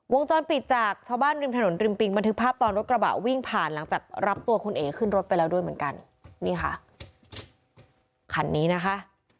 วงจรปิดจากชาวบ้านริมถนนริมปิงบันทึกภาพตอนรถกระบะวิ่งผ่านหลังจากรับตัวคุณเอ๋ขึ้นรถไปแล้วด้วยเหมือนกันนี่ค่ะคันนี้นะคะ